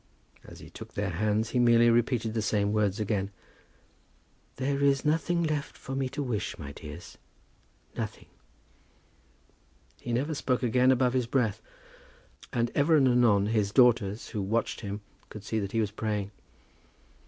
As he took their hands he merely repeated the same words again. "There is nothing left for me to wish, my dears; nothing." He never spoke again above his breath; but ever and anon his daughters, who watched him, could see that he was praying.